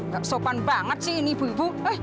gak sopan banget sih ini ibu ibu